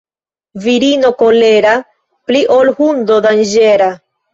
Virino kolera pli ol hundo danĝera.